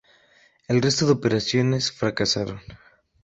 El resto de operaciones fracasaron.